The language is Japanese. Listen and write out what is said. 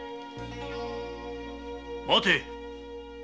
・待て！